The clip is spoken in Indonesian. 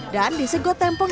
dan di segot tempong